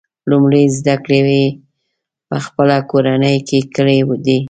لومړۍ زده کړې یې په خپله کورنۍ کې کړي دي.